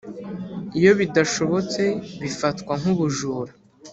Iyo bidashobotse bifatwa nkubujuru